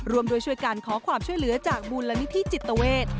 รวมโดยช่วยกันขอความช่วยเหลือจากบูรณมิพิจิตเตอร์เวท